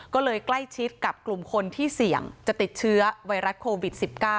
ก็เลยใกล้ชิดกับกลุ่มคนที่เสี่ยงจะติดเชื้อไวรัสโควิด๑๙